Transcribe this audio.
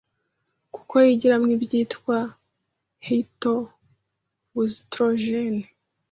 kuko yigiramo ibyitwa ‘phyto-oestrogènes’